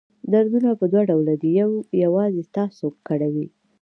دردونه په دوه ډوله دي یو یوازې تاسو کړوي.